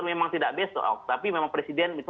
memang tidak besok tapi memang presiden itu